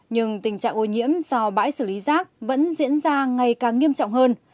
nhưng tình trạng ô nhiễm do bãi xử lý rác vẫn diễn ra ngày càng nghiêm trọng hơn